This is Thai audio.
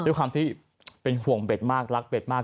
ด้วยความที่เป็นห่วงเบ็ดมากรักเด็ดมาก